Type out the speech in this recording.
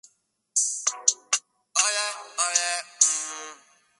Tiene un título en Leyes y una Maestría en Derechos de Autor.